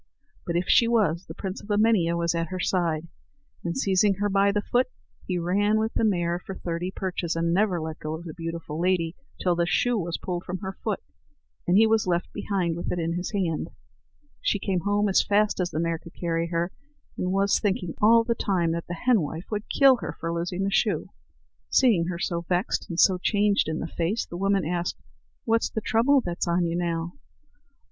But if she was, the prince of Emania was at her side, and, seizing her by the foot, he ran with the mare for thirty perches, and never let go of the beautiful lady till the shoe was pulled from her foot, and he was left behind with it in his hand. She came home as fast as the mare could carry her, and was thinking all the time that the henwife would kill her for losing the shoe. Seeing her so vexed and so changed in the face, the old woman asked: "What's the trouble that's on you now?" "Oh!